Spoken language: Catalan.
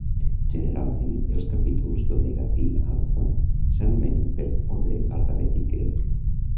Generalment, els capítols d'Omega Phi Alpha s'anomenen per ordre alfabètic grec.